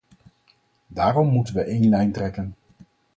Daarom moeten we één lijn trekken!